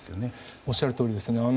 おっしゃるとおりです。